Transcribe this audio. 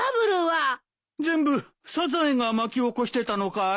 全部サザエが巻き起こしてたのかい？